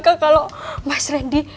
masr kuli bahkan ini